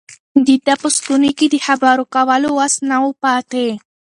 د ده په ستوني کې د خبرو کولو وس نه و پاتې.